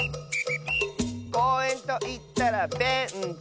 「こうえんといったらベンチ！」